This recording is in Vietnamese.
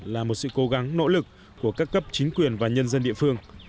là một sự cố gắng nỗ lực của các cấp chính quyền và nhân dân địa phương